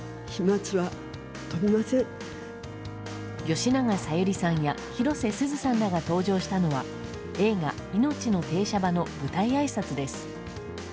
吉永小百合さんや広瀬すずさんらが登場したのは映画「いのちの停車場」の舞台あいさつです。